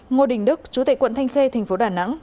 ngô đình đức chú tệ quận thanh khê tp đà nẵng